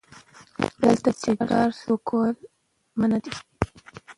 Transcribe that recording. دلته سیګار څکول منع دي🚭